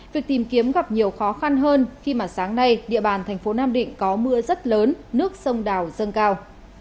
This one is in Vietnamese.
việc tìm kiếm gặp nhiều khó khăn hơn khi mà sáng nay địa bàn thành phố nam định có mưa rất lớn nước sông đào dâng cao